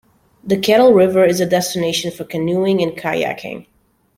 The Kettle River is a destination for canoeing and kayaking.